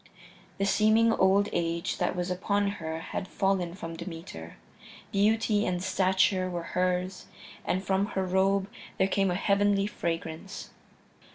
The seeming old age that was upon her had fallen from Demeter; beauty and stature were hers, and from her robe there came a heavenly fragrance.